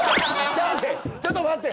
ちょっと待って！